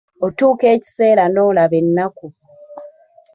Otuuka ekiseera n’olaba ennaku.